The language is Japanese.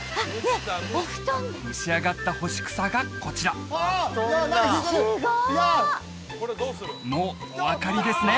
蒸し上がった干し草がこちらもうお分かりですね